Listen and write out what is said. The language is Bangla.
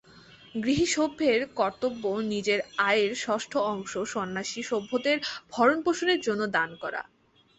গৃহী সভ্যের কর্তব্য নিজের আয়ের ষষ্ঠ অংশ সন্ন্যাসী সভ্যদের ভরণপোষণের জন্য দান করা।